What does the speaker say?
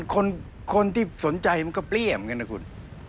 คนที่สนใจมันก็เปรี้ยเหมือนกันนะคุณ